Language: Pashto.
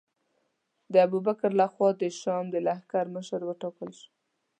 د ابوبکر له خوا د شام د لښکر مشر وټاکل شو.